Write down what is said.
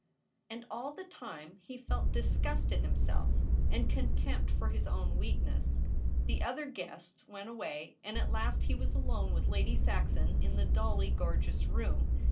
And all the time he felt disgust at himself and contempt for his own weak ness. The other guests went away; and at last he was alone with Lady Saxon In the dully gorgeous room.